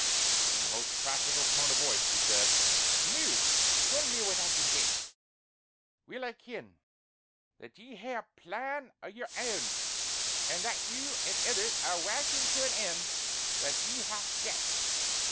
In a most practical tone of voice she said: "Noo tell me what I can dae! Weel I ken, that ye hae a plan o' yer ain; an' that you and ithers are warkin' to an end that ye hae set.